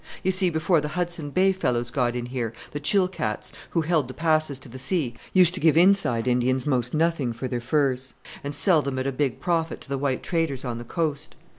You see, before the Hudson Bay fellows got in here, the Chilkats, who held the passes to the sea, used to give inside Indians most nothing for their furs, and sell them at a big profit to the white traders on the coast.